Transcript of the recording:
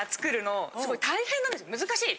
難しい！